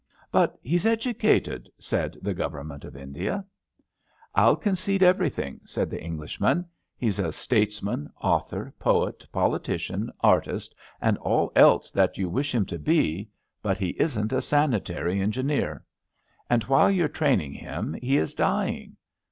''But he's educated,'' said the Government of India. NEW BEOOMS 89 I'll concede everything, *' said the English man. He's a statesman, author, poet, politi cian, artist, and all else that you wish him to be, but he isn't a Sanitary Engineer. And while you're training him he is dying.